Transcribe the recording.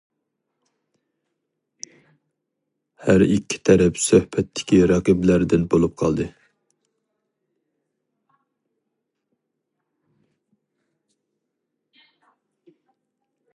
ھەر ئىككى تەرەپ سۆھبەتتىكى رەقىبلەردىن بولۇپ قالدى.